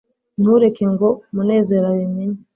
ntureke ngo munezero abimenye